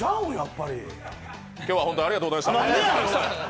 今日はホントありがとうございました。